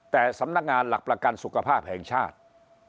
แต่สำนักงานหลักประกันสุขภาพแห่งชาติ